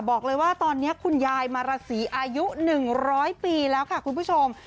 บอกเลยว่าตอนนี้คุณยายมาราศีอายุ๑๐๐ปีแล้วค่ะคุณผู้ชม